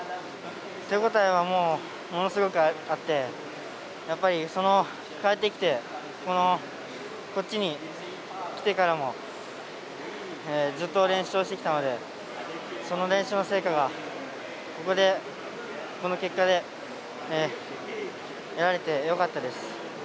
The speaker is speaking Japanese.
手応えはもう、ものすごくあってやっぱり変えてきてこっちに来てからもずっと練習をしてきたのでその練習の成果がここで、この結果で得られて、よかったです。